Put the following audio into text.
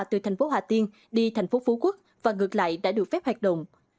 từ thành phố hà tiên đi thành phố phú quốc và ngược lại đã được phép hoạt động